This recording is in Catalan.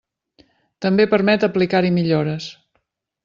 També permet aplicar-hi millores.